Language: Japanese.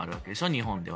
日本では。